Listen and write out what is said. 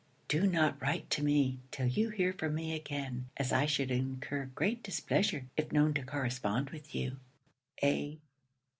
'Do not write to me till you hear from me again; as I should incur great displeasure if known to correspond with you. A.